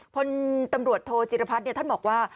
พลตำรวจโทจิรพัฒน์ท่านบอกว่า